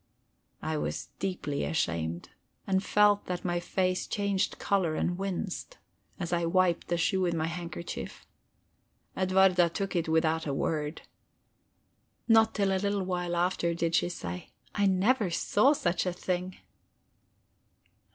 I was deeply ashamed, and felt that my face changed color and winced, as I wiped the shoe with my handkerchief. Edwarda took it without a word. Not till a little while after did she say: "I never saw such a thing!"